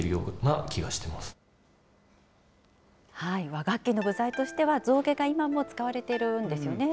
和楽器の部材としては、象牙が今も使われているんですよね。